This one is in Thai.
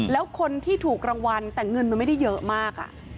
แล้วคนที่ถูกรางวัลแต่เงินมันไม่ได้เยอะมาก